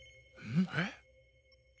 えっ。